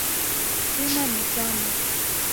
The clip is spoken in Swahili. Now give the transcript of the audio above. Sima ni tamu.